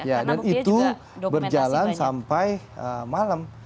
ya dan itu berjalan sampai malam